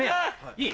いい？